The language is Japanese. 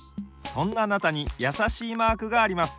そんなあなたにやさしいマークがあります。